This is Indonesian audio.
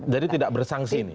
jadi tidak bersangsi ini